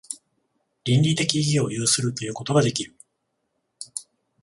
倫理的意義を有するということができる。